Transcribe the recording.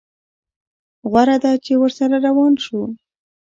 غوره ده چې ورسره روان شو.